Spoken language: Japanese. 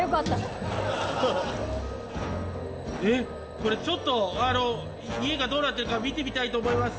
これちょっとあの家がどうなってるか見てみたいと思います。